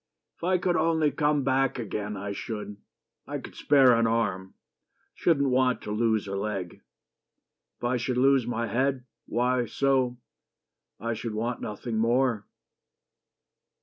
"If I could only come back again, I should. I could spare an arm. I shouldn't want to lose A leg. If I should lose my head, why, so, I should want nothing more.